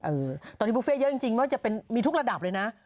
เออตอนนี้บุฟเฟต์เยอะจริงมันจะเป็นมีทุกระดับเลยนะ